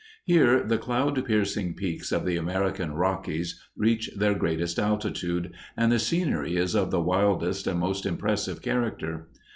Here the cloud piercing peaks of the American Rockies reach their greatest altitude, and the scenery is of the wildest and most impressive character.